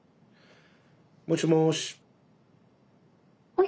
もしもし。